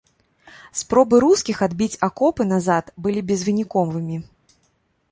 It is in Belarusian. Спробы рускіх адбіць акопы назад былі безвыніковымі.